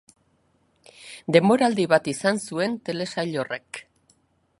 Denboraldi bat izan zuen telesail horrek.